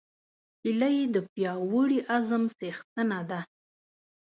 هیلۍ د پیاوړي عزم څښتنه ده